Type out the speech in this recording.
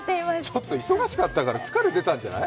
ちょっと忙しかったから疲れてたんじゃない？